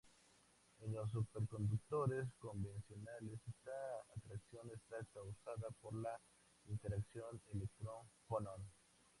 En los superconductores convencionales, esta atracción está causada por la interacción electrón-fonón.